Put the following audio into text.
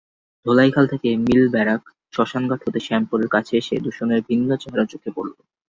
ধোলাইখাল থেকে মিলব্যারাক, শ্মশানঘাট হয়ে শ্যামপুরের কাছে এসে দূষণের ভিন্ন চেহারা চোখে পড়ল।